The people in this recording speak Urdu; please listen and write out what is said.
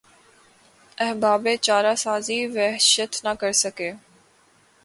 احباب چارہ سازیٴ وحشت نہ کرسکے